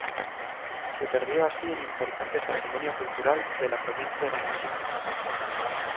Se perdió así un importante patrimonio cultural de la provincia de Misiones.